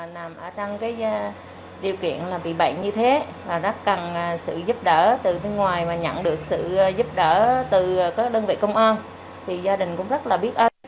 nằm ở trong điều kiện bị bệnh như thế và rất cần sự giúp đỡ từ phía ngoài mà nhận được sự giúp đỡ từ các đơn vị công an thì gia đình cũng rất là biết ơn